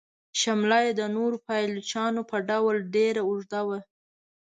شمله یې د نورو پایلوچانو په ډول ډیره اوږده وه.